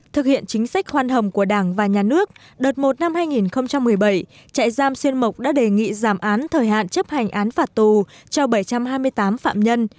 thực hiện chính sách khoan hồng của đảng và nhà nước đợt một năm hai nghìn một mươi bảy trại giam xuyên mộc đã đề nghị giảm án thời hạn chấp hành án phạt tù cho bảy trăm hai mươi tám phạm nhân